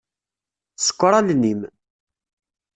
Ṣekkeṛ allen-im.